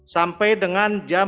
sampai dengan jam dua puluh empat